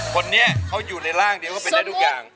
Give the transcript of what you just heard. คนนี้เขาอยู่ในร่างเดียวก็เป็นได้ทุกอย่าง